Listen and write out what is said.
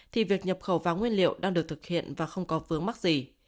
thì việc nhập khẩu vàng nguyên liệu đang được thực hiện và không có vướng mắc gì